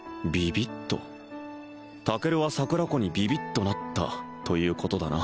タケルは桜子にビビッとなったということだな